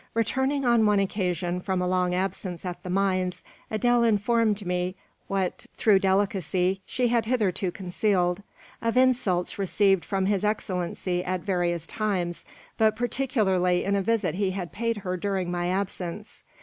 "Returning on one occasion from a long absence at the mines, Adele informed me what, through delicacy, she had hitherto concealed of insults received from his excellency at various times, but particularly in a visit he had paid her during my absence.